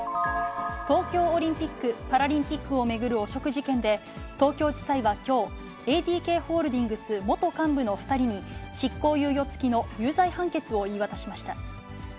東京オリンピック・パラリンピックを巡る汚職事件で、東京地裁はきょう、ＡＤＫホールディングス元幹部の２人に、執行猶予付きの有罪判決を言い渡しました。